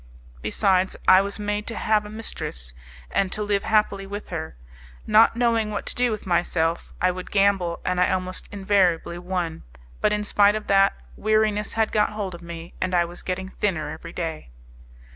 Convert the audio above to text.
Besides, I was made to have a mistress, and to live happily with her. Not knowing what to do with myself, I would gamble, and I almost invariably won; but, in spite of that, weariness had got hold of me and I was getting thinner every day.